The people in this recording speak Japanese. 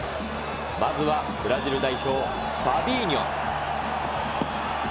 まずはブラジル代表、ファビーニョ。